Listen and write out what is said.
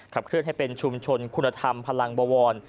เคลื่อนให้เป็นชุมชนคุณธรรมพลังบวร